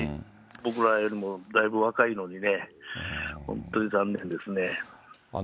僕らよりもだいぶ若いのにね、本当に残念ですね。